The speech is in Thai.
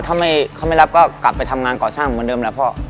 ถ้าเขาไม่รับก็กลับไปทำงานก่อสร้างเหมือนเดิมแล้วพ่อ